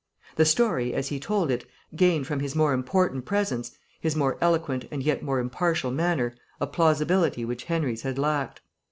The story, as he told it, gained from his more important presence, his more eloquent and yet more impartial manner, a plausibility which Henry's had lacked.